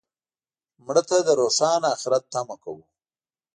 مړه ته د روښانه آخرت تمه کوو